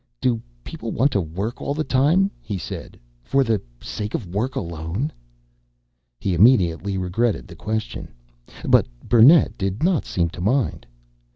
"Do people want to work all the time," he said, "for the sake of work alone?" He immediately regretted the question. But Burnett did not seem to mind.